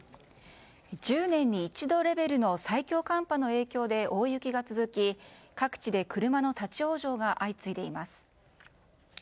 １０年に一度レベルの最強寒波の影響で大雪が続き各地で車の立ち往生が相次いでいます。